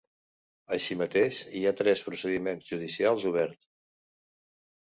Així mateix, hi ha tres procediments judicials obert.